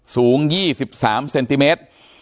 สูง๒๓เซนติเมตร